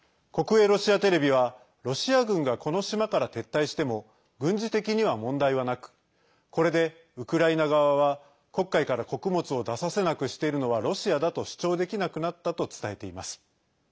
国営ロシアテレビは、ロシア軍がこの島から撤退しても軍事的には問題はなくこれでウクライナ側は黒海から穀物を出させなくしているのはロシアだと主張できなくなったと伝えています。